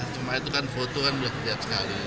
cuma itu kan foto kan udah kelihatan sekali